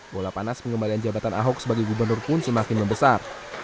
bola panas pengembalian jabatan ahok sebagai gubernur pun semakin membesar